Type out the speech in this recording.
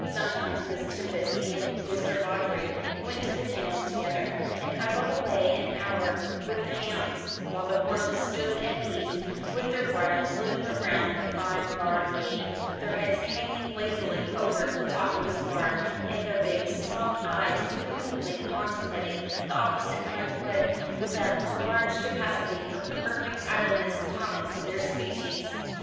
Sometimes Miss Tempest and Mr. Vawdrey went to the kennels together, and idled away an hour with the hounds; while their horses stood at ease with their bridles looped round the five barred gate, their heads hanging lazily over the topmost bar, and their big soft eyes dreamily contemplating the opposite pine wood, with that large capacity for perfect idleness common to their species.